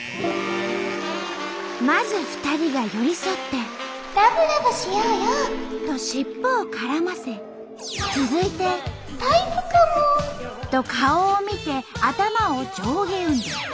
まず２人が寄り添って「ラブラブしようよ」と尻尾を絡ませ続いて「タイプかも」と顔を見て頭を上下運動。